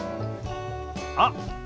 あっ！